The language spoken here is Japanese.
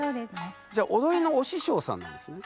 じゃ踊りのお師匠さんなんですね？